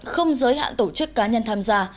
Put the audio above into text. không giới hạn tổ chức cá nhân tham gia